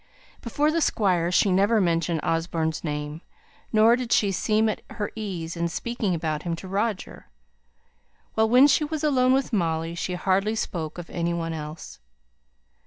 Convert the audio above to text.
Before the squire she never mentioned Osborne's name; nor did she seem at her ease in speaking about him to Roger; while, when she was alone with Molly, she hardly spoke of any one else.